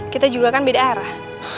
kita juga kan beda arah